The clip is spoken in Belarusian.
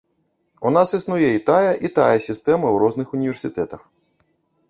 У нас існуе і тая, і тая сістэма у розных універсітэтах.